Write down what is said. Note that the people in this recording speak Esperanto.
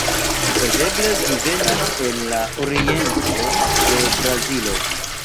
Supozeble ĝi venas el la oriento de Brazilo.